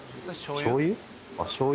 しょうゆ？